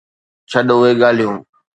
ڇڏ اهي ڳالهيون.